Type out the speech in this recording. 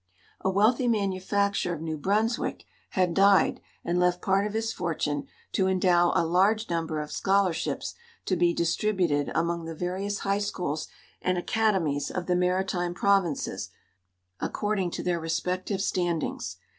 A wealthy manufacturer of New Brunswick had died and left part of his fortune to endow a large number of scholarships to be distributed among the various high schools and academies of the Maritime Provinces, according to their respective standings.